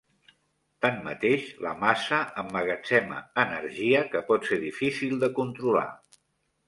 Tanmateix, la massa emmagatzema energia que pot ser difícil de controlar.